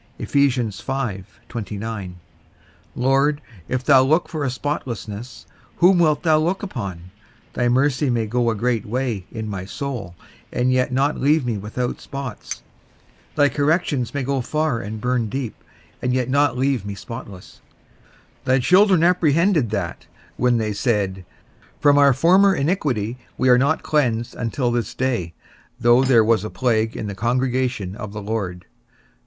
Lord, if thou look for a spotlessness, whom wilt thou look upon? Thy mercy may go a great way in my soul and yet not leave me without spots; thy corrections may go far and burn deep, and yet not leave me spotless: thy children apprehended that, when they said, From our former iniquity we are not cleansed until this day, though there was a plague in the congregation of the Lord.